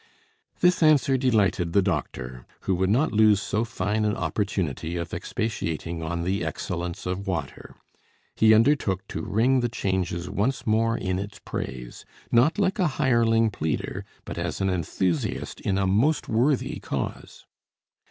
This answer delighted the doctor, who would not lose so fine an opportunity of expatiating on the excellence of water. He undertook to ring the changes once more in its praise; not like a hireling pleader, but as an enthusiast in a most worthy cause.